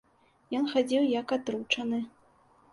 Ён хадзіў, як атручаны.